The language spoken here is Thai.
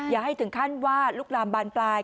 อย่าให้ถึงขั้นว่าลุกลามบานปลาย